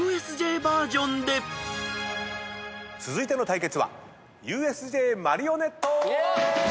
続いての対決はＵＳＪマリオネット！